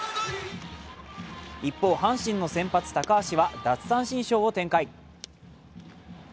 一方、阪神の先発・高橋は奪三振ショーを展開。